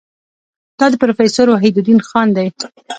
دا د پروفیسور وحیدالدین خان دی.